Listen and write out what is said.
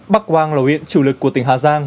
bắc quang là huyện chủ lực của tỉnh hà giang